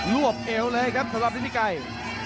วบเอวเลยครับสำหรับฤทธิไกร